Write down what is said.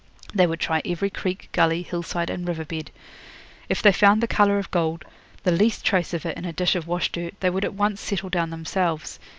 They would try every creek, gully, hillside, and river bed. If they found the colour of gold, the least trace of it in a dish of wash dirt, they would at once settle down themselves.